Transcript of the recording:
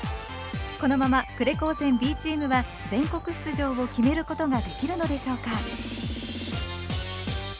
このまま呉高専Ｂチームは全国出場を決めることができるのでしょうか？